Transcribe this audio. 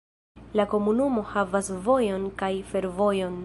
La komunumo havas vojon kaj fervojon.